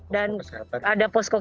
dan ada posko kesehatan